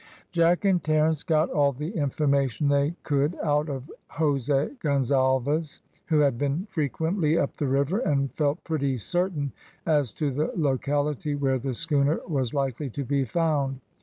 Jack and Terence got all the information they could out of Jose Gonzalves, who had been frequently up the river, and felt pretty certain as to the locality where the schooner was likely to be found.